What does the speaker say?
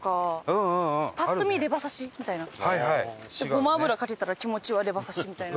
ごま油かけたら気持ちはレバ刺しみたいな。